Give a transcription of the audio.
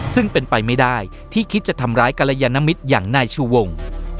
ซึ่งเป็นไปไม่ได้ที่คิดจะทำร้ายกรยานมิตรอย่างนายชูวง